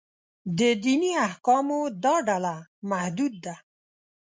د دیني احکامو دا ډله محدود ده.